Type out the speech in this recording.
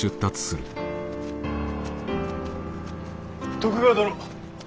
徳川殿。